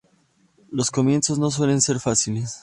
Los comienzos no suelen ser fáciles.